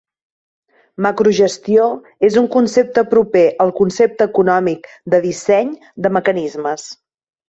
Macrogestió és un concepte proper al concepte econòmic de disseny de mecanismes.